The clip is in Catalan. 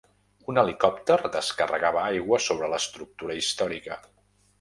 Un helicòpter descarregava aigua sobre l'estructura històrica.